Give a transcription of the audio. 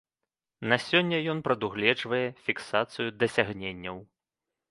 На сёння ён прадугледжвае фіксацыю дасягненняў.